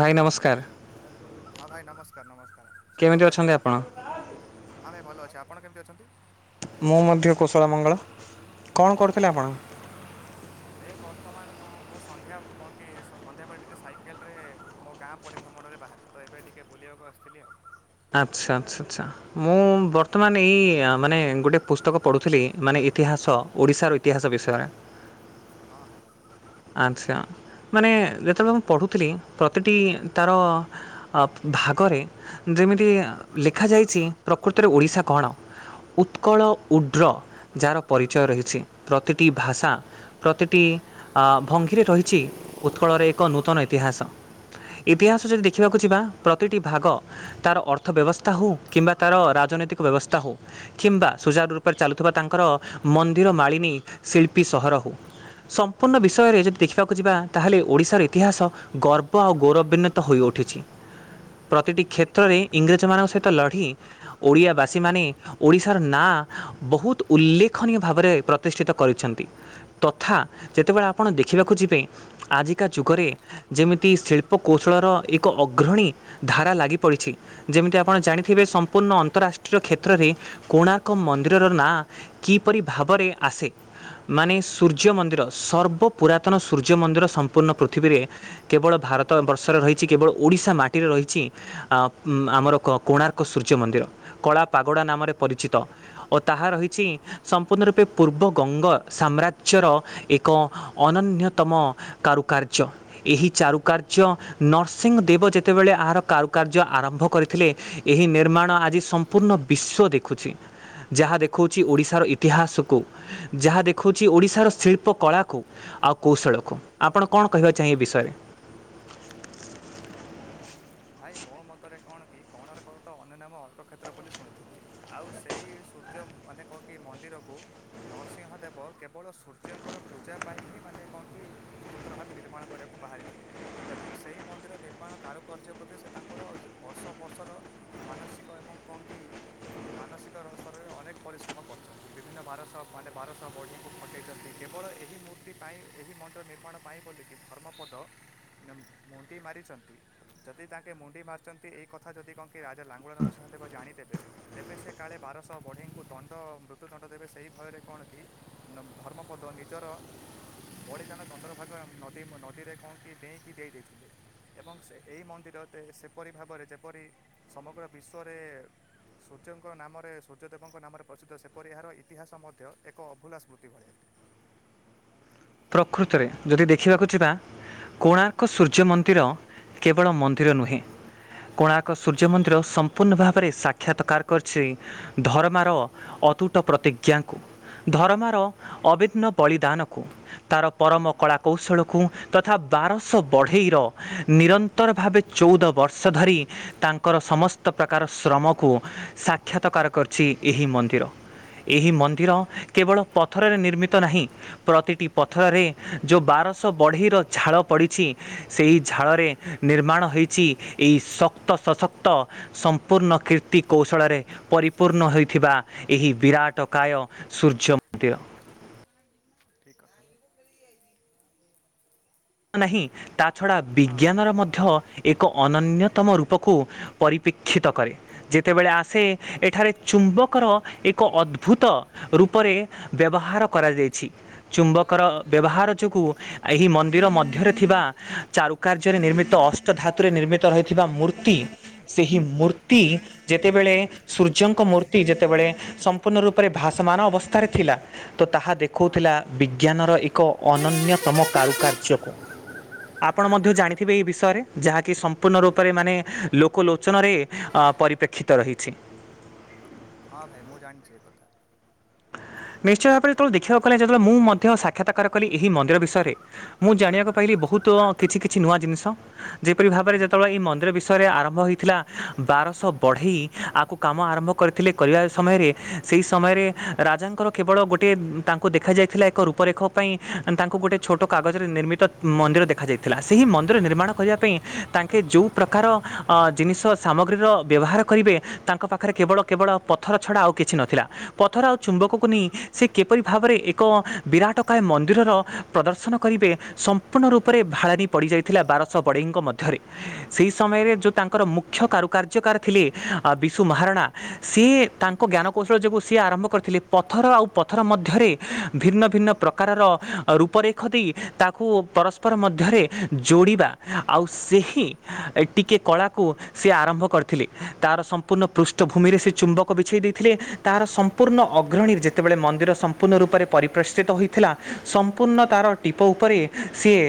ଭାଇ ନମସ୍କାର। ହଁ ଭାଇ ନମସ୍କାର ନମସ୍କାର କେମିତି ଶୁଭସନ୍ଧ୍ୟା ଭାଇ ଅଛନ୍ତି ଆପଣ? ହଁ ଭାଇ ଭଲ ଅଛି ଆପଣ କେମିତି ଅଛନ୍ତି? ମୁଁ ମଧ୍ୟ କୁଶଳ ମଙ୍ଗଳ କଣ କରୁଥିଲେ ଆପଣ? ହେ ବର୍ତ୍ତମାନ କଣ ମୁଁ ସନ୍ଧ୍ୟା କଣ କିି ସନ୍ଧ୍ୟା ପରେ ଟିକେ ସାଇକେଲରେ ମୋ ଗାଁ ପରିଭ୍ରମଣରେ ବାହାରେ। ତ ଏବେ ଟିକେ ବୁଲିବାକୁ ଆସିଥିଲି ଆଉ। ଆଚ୍ଛା ଆଚ୍ଛା ଆଚ୍ଛା, ମୁଁ ଆଉ ବର୍ତ୍ତମାନ ଏଇ ମାନେ ଗୋଟେ ପୁସ୍ତକ ପଢ଼ୁଥିଲି ମାନେ ଇତିହାସ ଓଡ଼ିଶାର ଇତିହାସ ବିଷୟରେ ହଁ ହଁ ଭାଇ। ଆଚ୍ଛା ମାନେ ଯେତେବେଳେ ମୁଁ ପଢ଼ୁଥିଲି ପ୍ରତିଟି ତାର ଅ ଭାଗରେ ଯେମିତି ଲେଖାଯାଇଛି ପ୍ରକୃତରେ ଓଡ଼ିଶା କଣ? ଉତ୍କଳ ଉଡ୍ର। ଯାହାର ପରିଚୟ ରହିଛି ପ୍ରତିଟି ଭାଷା ପ୍ରତିଟି ଭଙ୍ଗିରେ ରହିଛି ଉତ୍କଳରେ ଏକ ନୂତନ ଇତିହାସ। ଇତିହାସ ଯଦି ଦେଖିବାକୁ ଯିବା ପ୍ରତିଟି ଭାଗ ତାର ଅର୍ଥ ବ୍ୟବସ୍ଥା ହୋଉ କିମ୍ବା ତାର ରାଜନୈତିକ ବ୍ୟବସ୍ଥା ହୋଉ। କିମ୍ବା ହୁଁ ସୂଚାରୁ ରୂପରେ ଚାଲୁଥିବା ତାଙ୍କର ମନ୍ଦିର ମାଳିନୀ ଶିଳ୍ପୀ ସହର ହୋଉ। ସମ୍ ସମ୍ପୂର୍ଣ୍ଣ ହୁଁ ବିଷୟରେ ଯଦି ଦେଖିବାକୁ ଯିବା ତାହେଲେ ଓଡ଼ିଶାର ଇତିହାସ ଗର୍ବ ଆଉ ଗୌରବାନ୍ୱିତ ହୋଇଉଠିଛି। ପ୍ରତିଟି ଠିକ୍ କଥା କହିଲେ କ୍ଷେତ୍ରରେ ଭାଇ ଇଂରେଜମାନଙ୍କ ସହିତ ଲଢ଼ି ଓଡ଼ିଆବାସୀମାନେ ଓଡ଼ିଶାର ନାଁ ବହୁତ ଉଲ୍ଲେଖଣୀୟ ଭାବରେ ପ୍ରତିଷ୍ଠିତ କରିଛନ୍ତି। ତଥା ଯେତେବେଳେ ଆପଣ ଦେଖିବାକୁ ଯିବେ ଆଜିକା ହଁ ଯୁଗରେ ଭାଇ ଯେମିତି ଶିଳ୍ପକୌଶଳର ଏକ ଅଗ୍ରଣୀ ଧାରା ଲାଗିପଡ଼ିଛି। ଯେମିତି ଆପଣ ଜାଣିଥିବେ ସମ୍ପୂର୍ଣ୍ଣ ଅନ୍ତରାଷ୍ଟ୍ରୀୟ କ୍ଷେତ୍ରରେ କୋଣାର୍କ ମନ୍ଦିରର ନାଁ କିପରି ଭାବରେ ଆସେ, ମାନେ ସୂର୍ଯ୍ୟ ମନ୍ଦିର। ସର୍ବ ପୁରାତନ ସୂର୍ଯ୍ୟ ମନ୍ଦିର ସମ୍ପୂର୍ଣ୍ଣ ପୃଥିବୀରେ କେବଳ ଭାରତ ବର୍ଷରେ ରହିଛି କେବଳ ଓଡ଼ିଶା ମାଟିରେ ରହିଛି ଅ ଆମର କୋଣାର୍କ ସୂର୍ଯ୍ୟ ମନ୍ଦିର କଳା ପାଗୋଡ଼ା ନାମରେ ପରିଚିତ। ଓ ତାହା ରହିଛି ସମ୍ପୂର୍ଣ୍ଣ ରୂପେ ପୂର୍ବ ଗଙ୍ଗ ସାମ୍ରାଜ୍ୟର ଏକ ଅନନ୍ୟତମ କାରୁକାର୍ଯ୍ୟ। ଏହି ଚାରୁକାର୍ଯ୍ୟ ନରସିଂହ ଦେବ ଯେତେବେଳେ ଏହାର କାରୁକାର୍ଯ୍ୟ ଆରମ୍ଭ କରିଥିଲେ ଏହି ନିର୍ମାଣ ହୁଁ ଆଜି ସମ୍ପୂର୍ଣ୍ଣ ବିଶ୍ଵ ଦେଖୁଛି। ଯାହା ଦେଖଉଛି ଠିକ୍ ଓଡ଼ିଶାର ଇତିହାସକୁ ଯାହା ଦେଖୁଛି ଓଡ଼ିଶାର ଶିଳ୍ପ ଉପକଳାକୁ ଆଉ ଅଛି କୌଶଳକୁ ହୁଁ ଆପଣ କଣ କହିବା ଚାହେଁ ଏ ବିଷୟରେ? ଉଁ, ଭାଇ ମୋ ମତରେ କଣ କି କୋଣାର୍କର ତ ଅନ୍ୟ ନାମ ଅର୍କକ୍ଷେତ୍ର ବୋଲି ଶୁଣିଥିଲି। ଆଉ ସେଇ ସୂର୍ଯ୍ୟ ମାନେ କଁ କି ମନ୍ଦିରକୁ ନରସିଂହ ଦେବ କେବଳ ସୂର୍ଯ୍ୟଙ୍କର ପୂଜା ପାଇଁ ହିଁ ମାନେ କୁହନ୍ତି [unintelligible] ଭାବେ ନିର୍ମାଣ କରିବାକୁ ବାହାରିଥିଲେ ଏବଂ ସେହି ମନ୍ଦିର ନିର୍ମାଣ କାରୁକାର୍ଯ୍ୟ ପ୍ରତି ସେ ତାଙ୍କର ବର୍ଷ ବର୍ଷର ମାନସିକ ଏବଂ କଁ କି ଉ ମାନସିକ ର ସ୍ତରରେ ଅନେକ ପରିଶ୍ରମ କରୁଛନ୍ତି ବିଭିନ୍ନ ବାରତ ମାନେ ବାରତ [inaudible] ମୂର୍ତ୍ତି ପାଇଁ ଏହି ମନ୍ଦିର ନିର୍ମାଣ ପାଇଁ ବୋଲିକି ଧର୍ମପଦ [unintelligible] ମୁଣ୍ଡି ମାରିଛନ୍ତି--ନ୍ତି ଯଦି ତାଙ୍କେ ମୁଣ୍ଡି ମାରୁିଛନ୍ତି ଏଇ କଥା ଯଦି କଁ କି ରାଜା ଲାଙ୍ଗୁଳା ନରସିଂହଦେବ ଜାଣିଦେବେ ତେବେ ସେ କାଳେ ବାରଶହ ବଢ଼େଇଙ୍କୁ ଦଣ୍ଡ ମୃତ୍ୟୁଦଣ୍ଡ ଦେବେ ସେହି ଭୟରେ କଣ କି ଧର୍ମ ପଦ ନିଜର [inaudible] କଁ କି ଡ଼େଇଁକି ଦେଇ ଦେଇଥିଲେ। ଏଇ ମନ୍ଦିର ତ ସେପରି ଭାବରେ ଯେପରି ସମଗ୍ର ବିଶ୍ୱରେ ସୂର୍ଯ୍ୟଙ୍କ ନାମରେ ସୂର୍ଯ୍ୟଦେବଙ୍କ ନାମରେ ପ୍ରସିଦ୍ଧ ସେପରି ଏହାର ଇତିହାସ ମଧ୍ୟ ଏକ ଅଭୁଲା ସ୍ମୃତି ଭଳିଆ। ପ୍ରକୃତରେ ଯଦି ଦେଖିବାକୁ ଯିବା ହୁଁ, କୋଣାର୍କ ସୂର୍ଯ୍ୟ ମନ୍ଦିର ହୁଁ, କେବଳ ମନ୍ଦିର ନୁହେଁ ହୁଁ, କୋଣାର୍କ ସୂର୍ଯ୍ୟ ହୁଁ, ମନ୍ଦିର, ସମ୍ ସମ୍ପୂର୍ଣ୍ଣ ଭାବରେ ସାକ୍ଷାତକାର କରିଛି, ଧର୍ମାର ହୁଁ, ଅତୁଟ ପ୍ରତି [unintelligible] ଙ୍କୁ ଧର୍ମାର ଠିକ୍ କଥା ଅଭିନ୍ନ ବଳିଦାନକୁ, ତାର ପରମ ହୁଁ, କଳା କୌଶଳକୁ। କୁ, ତଥା ବାରଶହ ବଢ଼େଇର ନିରନ୍ତର ଭାବେ ଚଉଦ ବର୍ଷ ଧରି ତାଙ୍କର ସମସ୍ତ ପ୍ରକାର ଶ୍ରମକୁ ସାକ୍ଷାତକାର କରିଛି ଏହି ମନ୍ଦିର। ଏହି ମନ୍ଦିର ହଁ କେବଳ ପଥରରେ ନିର୍ମିତ ନାହିଁ, ପ୍ରତିଟି ପଥରରେ ଯେଉଁ ବାରଶହ ବଢ଼ିର ଝାଳ ପଡ଼ିଛି ସେଇ ଝାଳରେ ନିର୍ମାଣ ହେଇଛି ଏଇ ଶକ୍ତ ସଶକ୍ତ ସମ୍ପୂର୍ଣ୍ଣ କୀର୍ତ୍ତି କୌଶଳରେ ପରିପୂର୍ଣ୍ଣ ହୋଇଥିବା, ଏହି ବିରାଟ କାୟ ସୂର୍ଯ୍ୟ ମନ୍ଦିର। ଠିକ୍ କଥା। ନାହିଁ, ତା ଛଡା ହଁ ବିଜ୍ଞାନର ମଧ୍ୟ ଏକ ଅନନ୍ୟତମ ରୂପକୁ ପରିପ୍ରେକ୍ଷିତ କରେ। ଯେତେବେଳେ ଆସେ, ଏଠାରେ ଚୁମ୍ବକର ଏକ ଅଦ୍ଭୁତ ରୂପରେ ବ୍ୟବହାର କରାଯାଇଛି। ଚୁମ୍ବକର ବ୍ୟବହାର ଯୋଗୁଁ, ଏହି ମନ୍ଦିର ମଧ୍ୟରେ ଥିବା ଚାରୁକାର୍ଯ୍ୟରେ ନିର୍ମିତ, ଅଷ୍ଟ ଧାତୁରେ ନିର୍ମିତ ରହିଥିବା ମୂର୍ତ୍ତି ତି ସେହି ହୁଁ ମୂର୍ତ୍ତି ଯେତେବେଳେ ସୂର୍ଯ୍ୟଙ୍କ ମୂର୍ତ୍ତି ଯେତେବେଳେ ସମ୍ପୂର୍ଣ୍ଣ ରୂପରେ ଭାସମାନ ଅବସ୍ଥାରେ ଥିଲା ତ ତାହା ହଁ ଦେଖଉଥିଲା ବିଜ୍ଞାନର ଏକ ଅନନ୍ୟତମ କାରୁ ର୍ଯ୍ୟକୁ ଆପଣ ମଧ୍ୟ ଠିକ୍ କଥା ଜାଣିଥିବେ ଏଇ ବିଷୟରେ, ଯାହାକି ସମ୍ପୂର୍ଣ୍ଣ ରୂପରେ ମାନେ ଲୋକଲୋଚନରେ ଅ ପରିପ୍ରେକ୍ଷିତ ରହିଛି। ହଁ ଭାଇ ମୁଁ ଜାଣିଚି ଏ କଥା। ନିଶ୍ଚୟ ଭାବରେ ଯେତେବେଳେ ଦେଖିବାକୁ ଗଲେ, ଯେତେବେଳେ ମୁଁ ମଧ୍ୟ ସାକ୍ଷାତକାର କଲି ଏହି ମନ୍ଦିର ବିଷୟରେ ମୁଁ ଜାଣିବାକୁ ହୁଁ ପାଇଲି ବହୁତ କିଛି କିଛି ନୂଆ ଜିନିଷ ଯେପରି ଭାବରେ ହୁଁ ଯେତେବେଳେ ଏଇ ମନ୍ଦିର ବିଷୟରେ ଆରମ୍ଭ ହେଇଥିଲା ବାରଶହ ବଢେଇ, ଆକୁ କାମ ଆରମ୍ଭ କରିଥିଲେ, କରିବା ସମୟରେ ସେହି ସମୟରେ ରାଜାଙ୍କର କେବଳ ଗୋଟିଏ ତାଙ୍କୁ ଦେଖାଯାଇଥିଲା ଏକ ରୂପରେଖ ପାଇଁ, ତାଙ୍କୁ ଗୋଟେ ଛୋଟ କାଗଜରେ ନିର୍ମିତ ମନ୍ଦିର ଦେଖାଯାଇଥିଲା, ସେହି ମନ୍ଦିର ନିର୍ମାଣ କରିବା ପାଇଁ ତାଙ୍କେ ଯୋଉ ପ୍ରକାର ଜିନିଷ ସାମଗ୍ରୀର ବ୍ୟବହାର କରିବେ ତାଙ୍କ ପାଖରେ କେବଳ କେବଳ ପଥର ଛଡା ଆଉ କିଛି ନଥିଲା। ପଥର ଆଉ ଚୁମ୍ବକକୁ ନେଇ, ସେ କିପରି ଭାବରେ ଏକ ବିରାଟକାଏ ମନ୍ଦିରର ପ୍ରଦର୍ଶନ କରିବେ, ସମ୍ପୂର୍ଣ୍ଣ ରୂପରେ ଭାଳେଣି ପଡ଼ିଯାଇଥିଲା, ବାରଶହ ବଡ଼େଇଙ୍କ ମଧ୍ୟରେ। ସେଇ ସମୟରେ ହଁ ଯୋଉ ତାଙ୍କର ମୁଖ୍ୟ କାରୁକାର୍ଯ୍ୟକାର ଥିଲେ ବିଶୁ ମହାରଣା, ସିଏ ଠିକ୍ ତାଙ୍କ କଥା ଜ୍ଞାନକୌଶଳ ଯୋଗୁଁ ସିଏ ଆରମ୍ଭ କରିଥିଲେ, ପଥର ଆଉ ପଥର ମଧ୍ୟରେ ଭିନ୍ନ ଭିନ୍ନ ପ୍ରକାରର ରୂପରେ ଖ ଦେଇ ତାକୁ ପରସ୍ପର ମଧ୍ୟରେ ଯୋଡ଼ିବା ଆଉ ହୁଁ ସେହି ଟିକେ କଳାକୁ ସେ ଆରମ୍ଭ କରିଥିଲେ। ତାର ସମ୍ପୂର୍ଣ୍ଣ ପୃଷ୍ଠଭୂମିରେ ସେ ଚୁମ୍ବକ ବିଛେଇ ଦେଇଥିଲେ। ତାର ସମ୍ପୂର୍ଣ୍ଣ ଅଗ୍ରଣୀ ଯେତେବେଳେ ମନ୍ଦିର ସମ୍ପୂର୍ଣ୍ଣ ରୂପରେ ପରିପ୍ରେଷ୍ଠିତ ହୋଇଥିଲା, ସମ୍ପୂର୍ଣ୍ଣ ହୁଁ ତାର ଟିପ ଉପରେ ସିଏ,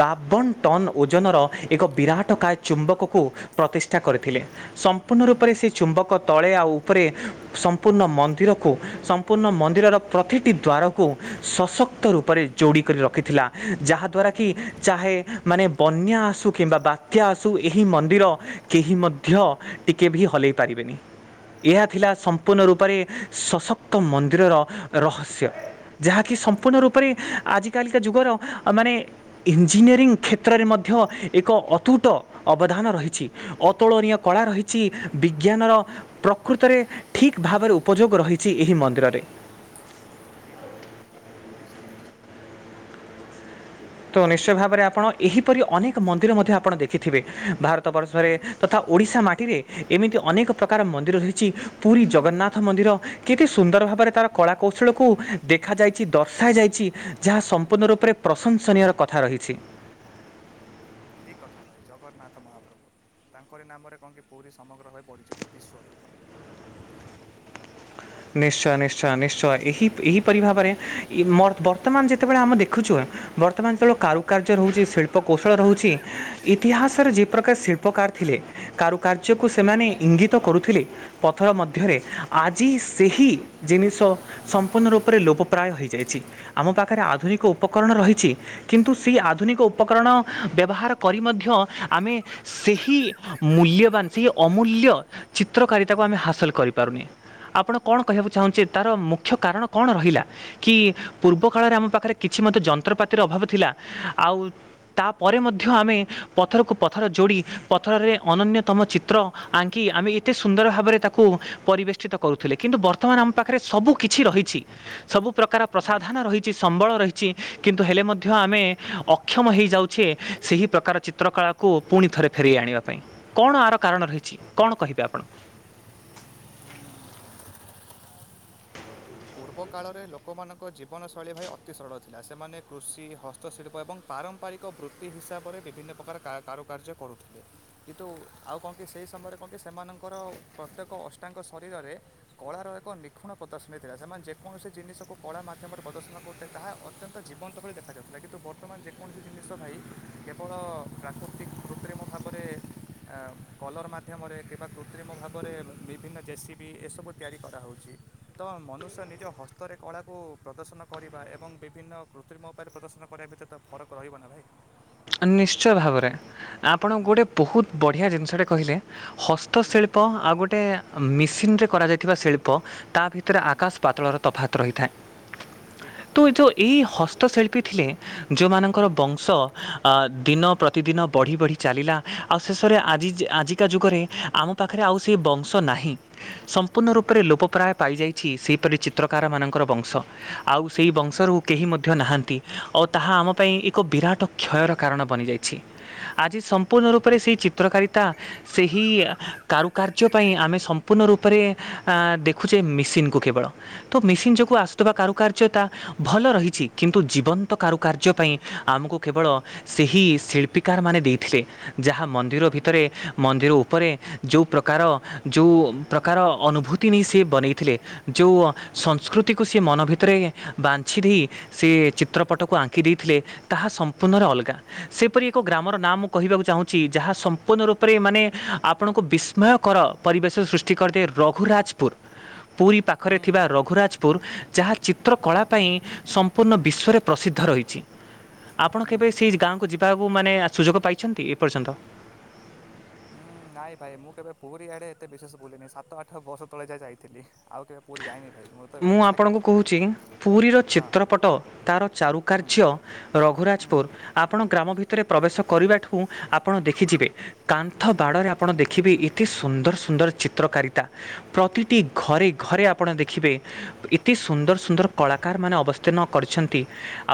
ବାବନ ଟନ ଓଜନର ଏକ ବିରାଟ କାଏ ଚୁମ୍ବକକୁ ପ୍ରତିଷ୍ଠା କରିଥିଲେ, ସମ୍ପୂର୍ଣ୍ଣ ହୁଁ ରୂପରେ ସେ ଚୁମ୍ବକ ତଳେ ଆଉ ଉପରେ ସମ୍ପୂର୍ଣ୍ଣ ମନ୍ଦିରକୁ, ସମ୍ପୂର୍ଣ୍ଣ ମନ୍ଦିରର ପ୍ରତିଟି ଦ୍ୱାରକୁ, ସଶକ୍ତ ରୂପରେ ଯୋଡି କରି ରଖିଥିଲା, ଯାହାଦ୍ୱାରା କି ଚାହେ ମାନେ ବନ୍ୟା ଆସୁ କିମ୍ବା ବା ତ୍ୟା ଆସୁ, ଏହି ମନ୍ଦିର କେହି ମଧ୍ୟ ଟିକେ ବି ହଲେଇ ପାରିବେନି। ଏହା ନା ଥିଲା ସମ୍ପୂର୍ଣ୍ଣ ରୂପରେ ସଶକ୍ତ ମନ୍ଦିରର ରହସ୍ୟ। ଯାହାକି ସମ୍ପୂର୍ଣ୍ଣ ରୂପରେ ଆଜିକାଲିକା ଯୁଗର ମାନେ ଇଞ୍ଜିନିୟରିଂ କ୍ଷେତ୍ରରେ ମଧ୍ୟ ଏକ ଅତୁଟ ଅବଦାନ ରହିଛି। ଅତୁଳନୀୟ ହୁଁ କଳା ରହିଛି ବିଜ୍ଞାନର ପ୍ରକୃତରେ ଠିକ୍ ଭାବରେ ଉପଯୋଗ ରହିଛି ଏହି ମନ୍ଦିରରେ। ଠିକ୍ କଥା ଭାଇ ନିଶ୍ଚିତ ନିଶ୍ଚିତ। ତ ନିଶ୍ଚୟ ଭାବରେ ଆପଣ ଏହିପରି ଅନେକ ମନ୍ଦିର ମଧ୍ୟ ଆପଣ ଦେଖିଥିବେ ଭାରତ ବର୍ଷରେ ହୁଁ ତଥା ଓଡ଼ିଶା ମାଟିରେ ଏମିତି ଅନେକ ପ୍ରକାର ମନ୍ଦିର ହିଇଛି। ପୁରୀ ଜଗନ୍ନାଥ ହୁଁ ମନ୍ଦିର କେତେ ସୁନ୍ଦର ଭାବରେ ତାର କଳା କୌଶଳକୁ ଦେଖାଯାଇଛି ଦର୍ଶ ଯାଇଛି। ଯାହା ସମ୍ପୂର୍ଣ୍ଣ ହୁଁ ରୂପରେ ପ୍ରଶଂସନୀୟର କଥା ରହିଛି। ଠିକ୍ କଥା ଭାଇ ଜଗନ୍ନାଥ ମହାପ୍ରଭୁ‌। ତାଙ୍କରି ନାମରେ କଣ କି ପୁରୀ ସମଗ୍ର ହୋଇ ପରିଚିତ ବିଶ୍ୱରେ। ନିଶ୍ଚୟ ନିଶ୍ଚୟ ନିଶ୍ଚୟ ଏହି ଏହିପରି ଭାବରେ ବର୍ତ୍ତମାନ ଯେତେବେଳେ ଆମେ ଦେଖୁଚୁ ବର୍ତ୍ତମାନ ଯେଳ କାରୁକାର୍ଯ୍ୟ ରହୁଛି ଶିଳ୍ପକୌଶଳ ରହୁଛି ହୁଁ ଇତିହାସରେ ଯେ ପ୍ରକାର୍ ଶିଳ୍ପକାର୍ ଥିଲେ। କାରୁକାର୍ଯ୍ୟକୁ ହୁଁ ସେମାନେ ଇଙ୍ଗିତ କରୁଥିଲେ ପଥର ମଧ୍ୟରେ, ହୁଁ ଆଜି ଏହି ଜିନିଷ ସମ୍ପୂର୍ଣ୍ଣ ରୂପରେ ଲୋପପ୍ରାୟ ହେଇଯାଇଛି। ଆମ ପାଖରେ ଆଧୁନିକ ଉପକରଣ ରହିଛି କିନ୍ତୁ ସେଇ ଆଧୁନିକ ଉପକରଣ ବ୍ୟବହାର କରି ମଧ୍ୟ ଆମେ ସେହି ମୂଲ୍ୟବାନ୍ ସେହି ଅମୂଲ୍ୟ ଚିତ୍ରକାରିତାକୁ ହୁଁ ଆମେ ହାସଲ କରିପାରୁନି ଆପଣ କଣ କହିବାକୁ ଚାହୁଁଛି ତର ମୁଖ୍ୟ କାରଣ କଣ ରହିଲା? କି ପୂର୍ବ କାଳରେ ଆମ ପାଖରେ କିଛି ମଧ୍ୟ ଯନ୍ତ୍ରପାତିର ଅଭାବ ଥିଲା ଆଉ ତାପରେ ମଧ୍ୟ ଆମେ ପଥରକୁ ପଥର ଯୋଡ଼ି ପଥରରେ ଅନନ୍ୟତମ ଚିତ୍ର ଆଙ୍କି ଆମେ ଏତେ ସୁନ୍ଦର ଭାବରେ ତାକୁ ପରିବେଷ୍ଟିତ କରୁଥୁଲେ। କିନ୍ତୁ ବର୍ତ୍ତମାନ ଆମ ପାଖରେ ସବୁ କିିଛି ରହିଛି। ସବୁ ପ୍ରକାର ହୁଁ ପ୍ରସାଧନ ରହିଛି ସମ୍ବଳ ରହିଛି କିନ୍ତୁ ହେଲେ ମଧ୍ୟ ଆମେ ଅ ଅକ୍ଷମ ହୋଇଯାଉଛେ ସେହି ପ୍ରକାର ଚିତ୍ରକଳାକୁ ପୁଣି ଥରେ ଫେରେଇ ଆଣିବା ପାଇଁ। କଣ ଆର କାରଣ ରହିଛି କଣ କହିବେ ଆପଣ? [inaudible] ପୂର୍ବ କାଳରେ ଲୋକମାନଙ୍କ ଜୀବନଶୈଳୀ ଭାଇ ଅତି ସରଳ ଥିଲା ସେମାନେ କୃଷି ହ ତ ଶିଳ୍ପ ଏବଂ ପାରମ୍ପାରିକ ବୃତ୍ତି ହିସାବରେ ବିଭିନ୍ନ ପ୍ରକାର କା କାରୁକାର୍ଯ୍ୟ କରୁଥିଲେ। କିନ୍ତୁ ଆଉ କଣ କି ସେହି ସମୟରେ କଣ କି ସେମାନଙ୍କର ପ୍ରତ୍ୟେକ ଅଷ୍ଟାଙ୍ଗ ଶରୀରରେ କଳାର ଏକ ନିଖୁଣ ପ୍ରଦଶ୍ ମିଳିଥିଲା ସେମାନେ ଯେକୌଣସି ଜିନିଷକୁ କଳା ମାଧ୍ୟମରେ ପ୍ରଦର୍ଶନ କରୁଥିଲେ ତାହା ଅତ୍ୟ ଜୀବନ୍ତ ଭଳି ଦେଖାଯାଉଥିଲା କିନ୍ତୁ ବ ବର୍ତ୍ତମାନ ଯେକୌଣସି ଜିନିଷ ଭାଇ କେବଳ ପ୍ରାକୃତିକ କୃତେମ ଭାବରେ କଲର୍ ମା ଧ୍ୟମରେ କିମ୍ବା କୃତ୍ରିମ ଭାବରେ ବିଭିନ୍ନ ଜେସିପି ଏସବୁ ତିଆରି କରାହୋଉଚି। ତ ମନୁଷ୍ୟ ନିଜ ହସ୍ତରେ କଳାକୁ ପ୍ରଦର୍ଶନ କରିବା ଏବଂ ବିଭିନ୍ନ କୃତ୍ରିମ ଉପାୟରେ ପ୍ରଦର୍ଶନ କରିବା ଭିତରେ ତ ଫରକ୍ ରହିବ ନା ଭାଇ। ନିଶ୍ଚୟ ଭାବରେ ଆପଣ ହୁଁ ଗୋଟେ ବୋହୁତ୍ ବଢ଼ିଆ ଜିନିଷଟେ କହିଲେ। ହୁଁ ହସ୍ତଶିଳ୍ପ ଆଉ ଗୋଟେ ମିସିନ୍ ରେ କରାଯାଇଥିବା ଶିଳ୍ପ ତା ଭିତରେ ହୁଁ ଆକାଶ ପାତଳର ତଫାତ୍ ରହିଥାଏ। ଠିକ୍ କଥା ତ ଯୋଉ ଏଇ ହସ୍ତଶିଳ୍ପୀ ଥିଲେ ଯେଉଁମାନଙ୍କର ହୁଁ ବଂଶ ଦିନ ପ୍ରତିଦିନ ବଢ଼ି ବଢ଼ି ଚାଲିଲା ଆଉ ଶେଷରେ ହୁଁ ଆଜି ଆଜିକା ଯୁଗରେ ଆମ ପାଖରେ ଆଉ ସେ ବଂଶ ନାହିଁ। ସମ୍ପୂର୍ଣ୍ଣ ହୁଁ ହୁଁ ରୂପରେ ଲୋପପ୍ରାୟ ପାଇଯାଇଛି ସେହିପରି ଚିତ୍ରକାର ମାନଙ୍କର ବଂଶ। ଆଉ ସେଇ ବଂଶରୁ କେହି ମଧ୍ୟ ନାହାନ୍ତି ଓ ତାହା ଆମ ପାଇଁ ଏକ ବିରାଟ କ୍ଷୟର କାରଣ ବନିଯାଇଛି ଆଜି ସମ୍ପୂର୍ଣ୍ଣ ରୂପରେ ସେଇ ଚିତ୍ରକାରିତା ସେହି କାରୁକାର୍ଯ୍ୟ ପାଇଁ ଆମେ ସମ୍ପୂର୍ଣ୍ଣ ରୂପରେ ଆ ଦେଖୁଛେ ମେସିନ୍ କୁ କେବଳ ତ ମେସିନ୍ ହୁଁ ହୁଁ ହୁଁ ହୁଁ ହୁଁ ଯୋଗୁଁ ଆସୁଥିବା କାରୁକାର୍ଯ୍ୟ ତା ଭଲ ରହିଛି କିନ୍ତୁ ଜୀବନ୍ତ କାରୁକାର୍ଯ୍ୟ ପାଇଁ ଆମକୁ କେବଳ ସେହି ଶିଳ୍ପୀକାରମାନେ ଦେଇଥିଲେ ଯାହା ମନ୍ଦିର ଭିତରେ, ମନ୍ଦିର ଉପରେ ଯୋଉ ପ୍ରକାର ଯୋଉ ପ୍ରକାର ଅନୁଭୂତି ନେଇ ସେ ବନେଇଥିଲେ। ଯୋଉ ସଂସ୍କୃତିକୁ ସିଏ ମନ ଭିତରେ ବାଂଛି ଦେଇ ସେ ଚିତ୍ରପଟକୁ ଆଙ୍କି ଦେଇଥିଲେ ତାହା ହୁଁ ସମ୍ପୂର୍ଣ୍ଣରେ ଅଲଗା। ସେପରି ଏକ ଗ୍ରାମର ନାଁ ମୁଁ କହିବାକୁ ଚାହୁଁଛି ଯାହା ସମ୍ପୂର୍ଣ୍ଣ ରୂପରେ ମାନେ ଆପଣଙ୍କୁ ବିସ୍ ଉନ୍ମୟକର ପରିବେଶ ସୃଷ୍ଟି କରିଦେ ରଘୁରାଜପୁର। ପୁରୀ ପାଖରେ ହୁଁ ଥିବା ରଘୁରାଜପୁର ଯାହା ଚିତ୍ରକଳା ପାଇଁ ସମ୍ପୂର୍ଣ୍ଣ ବିଶ୍ୱରେ ପ୍ରସିଦ୍ଧ ରହିଛି। ଆପଣ କେବେ ସେଇ ଗାଁକୁ ଯିବାକୁ ମାନେ ସୁଯୋଗ ପାଇଛନ୍ତି ଏପର୍ଯ୍ୟନ୍ତ? ନାଇଁ ଭାଇ ମୁଁ କେବେ ପୁରୀ ଆଡେ ଏତେ ବିଶେଷ ବୁଲିିନି ସାତ ଆଠ ବର୍ଷ ତଳେ ଯାଏ ଯାଇଥିଲି ଆଉ କେବେ ପୁରୀ ଯାଇନି ଭାଇ। [unintelligible] ମୁଁ ଆପଣଙ୍କୁ କିନ୍ତୁ ବହୁତ କହୁଛି ପୁରୀର ହଁ ଚିତ୍ରପଟ ତାର ହୁଁ ଚାରୁକାର୍ଯ୍ୟ ହୁଁ ରଘୁରାଜପୁର ଆପଣ ଗ୍ରାମ ଭିତରେ ପ୍ରବେଶ କରିବାଠୁ ଆପଣ ଦେଖିଯିବେ କାନ୍ ନ୍ଥ ହୁଁ ବାଡ଼ରେ ଆପଣ ଦେଖିବେ ଏତେ ସୁନ୍ଦର ସୁନ୍ଦର ଚିତ୍ରକାରିତା, ପ୍ରତିଟି ଘରେ ଘରେ ଆପଣ ଦେଖିବେ ଏତେ ସୁନ୍ଦର ସୁନ୍ଦର କଳାକାରମାନେ ଅବସ୍ଥିନ କରିଛନ୍ତି।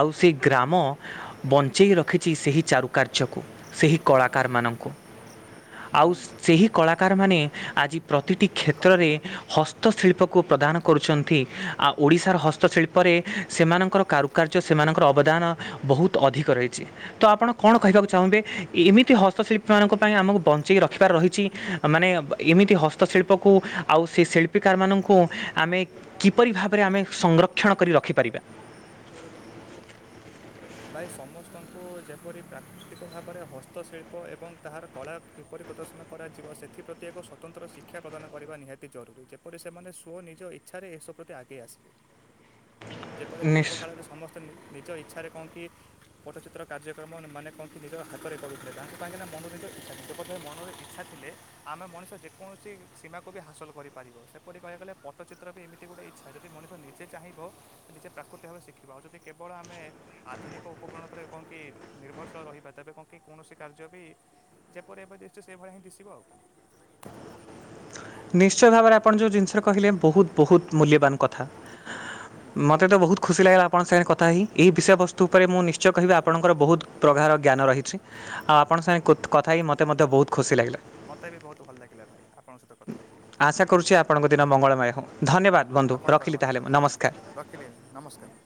ଆଉ ସେ ହୁଁ ଗ୍ରାମ ବଞ୍ଚେଇ ରଖିଛି ସେହି ଚାରୁକାର୍ଯ୍ୟକୁ ସେହି କଳାକାରମାନଙ୍କୁ। ଆଉ ସେହି କଳାକାରମାନେ ଆଜି ପ୍ରତିଟି ଠିକ୍ କଥା କ୍ଷେତ୍ରରେ ପୁରା। ହ ହସ୍ତଶିଳ୍ପକୁ ପ୍ରଦାନ କରୁଛନ୍ତି ଆଉ ଓଡ଼ିଶାର ହସ୍ତଶିଳ୍ପରେ ସେମାନଙ୍କର କାରୁ କାର୍ଯ୍ୟ ସେମାନଙ୍କର ଅବଦାନ ବହୁତ ଅଧିକ ରହିଛି। ତ ଆପଣ କଣ କହିବାକୁ ଚାହୁଁବେ ଏମିତି ହସ୍ତଶିଳ୍ପୀମାନଙ୍କ ପାଇଁ ଆମକୁ ବଞ୍ଚେଇି ରଖିବାର ରହିଛି। ମାନେ ଏମିତି ହସ୍ତଶିଳ୍ପକୁ ଆଉ ସେ ଶିଳ୍ ଶିଳ୍ପିକାର ମାନଙ୍କୁ ଆମେ କିପରି ଭାବରେ ଆମେ ସଂଗ୍ରକ୍ଷଣ କରି ରଖିପାରିବା? ଭାଇ ସମସ୍ତଙ୍କୁ ଯେପରି ପ୍ରାକୃତିକ ଭାବରେ ହସ୍ତଶିଳ୍ପ ଏବଂ ତାହାର କଳା କିପରି ପ୍ରଦର୍ଶନ କରାଯିବ ସେଥିପ୍ରତି ଏକ ସ୍ୱତନ୍ତ୍ର ଶିକ୍ଷା ପ୍ରଦାନ କରିବା ନିହାତି ଜରୁରୀ ଯେପରି ସେମାନେ ସ୍ୱ ନିଜ ଇଚ୍ଛାରେ ଏସବୁ ପ୍ରତି ଆଗେଇ ଆସିବେ। [unintelligible] ଯେପରି ପୂର୍ବ କାଳରେ ସମସ୍ତେ ନିଜ ଇଚ୍ଛାରେ କଣ କି ପଟଚିତ୍ର କାର୍ଯ୍ୟକ୍ରମ ମାନେ କଣ କି ନିଜ ହାତରେ କରୁଥିଲେ ତାଙ୍କ କାହିଁକିନା ମନୋନିତ ଇଚ୍ଛା ଥିଲା ଯେପରି ମନର ଇଚ୍ଛା ଥିଲେ। ଆମେ ମଣିଷ ଯେକୌଣସି ସୀମାକୁ ବି ହାସଲ କରିପାରିବ ସେପରି କହିବାକୁ ଗଲେ ପଟଚିତ୍ର ବି ଏମିତି ଏ ଗୋଟେ ଇଚ୍ଛା ଯଦି ମଣିଷ ନିଜେ ଚାହିଁବ ନିଜେ ପ୍ରାକୃତିକ ଭବେ ଶିଖିବ ଆଉ ଯଦି କେବଳ ଆମେ ଆଧୁନିକ ଉପକରଣ ଉପରେ କଣ କି ନିର୍ଭରଶୀଳ ରହିବା ତେବେ କଣ କି କୌଣସି କାର୍ଯ୍ୟ ବି ଯେପରି ଏବେ ଦିଶୁଚି ସେଭଳି ହିଁ ଦିଶିବ ଆଉ। ନିଶ୍ଚୟ ଭାବରେ ଆପଣ ଯେଉଁ ଜିନିଷ କହିଲେ ବହୁତ ବହୁତ ମୂଲ୍ୟବାନ। କଥା ହୁଁ ମତେ ତ ବହୁତ୍ ଖୁସି ଲାଗିଲା। ଆପଣଙ୍କ ସାଙ୍ଗରେ କଥା ହେଇ ଏହି ବିଷୟବସ୍ତୁ ଉପରେ ମୁଁ ନିଶ୍ଚୟ କହିବି ଆପଣଙ୍କର ବହୁତ ପ୍ରଗାଢ଼ ଜ୍ଞାନ ରହିଛି ଆଉ ଆପଣଙ୍କ ସାଙ୍ଗେ ହୁଁ କୁତ୍ କଥା ହେଇ ମତେ ମତେ ମଧ୍ୟ ବହୁତ ଖୁସି ଲାଗିଲା। ମୋତେ ବି ବହୁତ ଭଲ ଲାଗିଲା ଭାଇ ଆପଣଙ୍କ ସହିତ କଥା ହେଇକି। ଆଶା କରୁଛି ଆପଣଙ୍କ ଦିନ ମଙ୍ଗଳମୟ ହଉ, ଧନ୍ୟବାଦ ବନ୍ଧୁ ଆପଣଙ୍କର ରଖିଲି ମଧ୍ୟ ତାହେଲେ ମୁଁ ନମସ୍କାର। ରଖିଲି [unintelligible] ନମସ୍କାର।